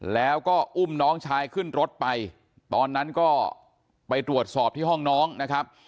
แล้วก็อุ้มน้องชายขึ้นรถไปตอนนั้นก็ไปตรวจสอบที่ห้องน้องนะครับ